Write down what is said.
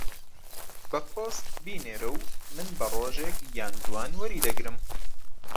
بە پۆست بینێرە و من بە ڕۆژێک یان دووان وەری دەگرم.